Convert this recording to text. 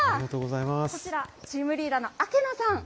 こちら、チームリーダーの明野さん。